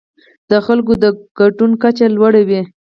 د خلکو د ګډون کچه لوړه وي.